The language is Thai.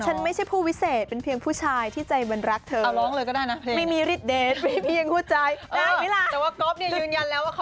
ไม่ใช่ผู้วิเศษเป็นเพียงผู้ชายที่ใจมันรักเธอ